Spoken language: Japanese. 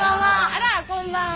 あらこんばんは。